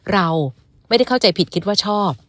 เราไม่ได้เข้าใจผิดคิดว่าชอบ